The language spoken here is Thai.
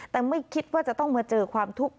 แต่ไม่คิดว่าจะต้องมาเจอความทุกข์